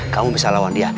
kamu bisa lawan dia